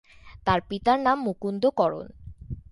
তার পিতার নাম মুকুন্দ করণ।